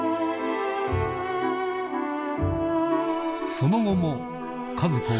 その後も和子は